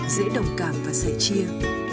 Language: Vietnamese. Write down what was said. dễ đồng cảm và dễ chia